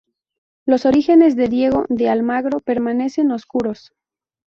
Los orígenes de Diego de Almagro permanecen oscuros.